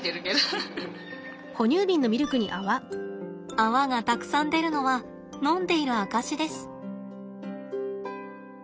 泡がたくさん出るのは飲んでいる証しです。